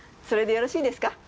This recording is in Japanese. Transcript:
それでよろしいですか？